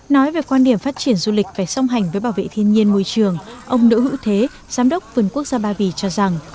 nói về quan điểm phát triển du lịch phải song hành với bảo vệ thiên nhiên môi trường ông nữ hữu thế giám đốc vườn quốc gia ba vì cho rằng